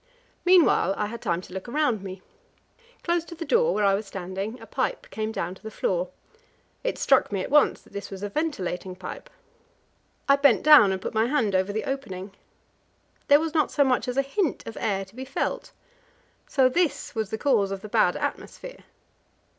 Meanwhile I had had time to look around me. Close to the door where I was standing a pipe came down to the floor. It struck me at once that this was a ventilating pipe. I bent down and put my hand over the opening; there was not so much as a hint of air to be felt. So this was the cause of the bad atmosphere.